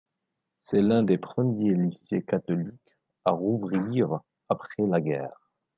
C'est l'un des premiers lycées catholiques à rouvrir après la guerre.